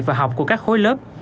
và học của các khối lớp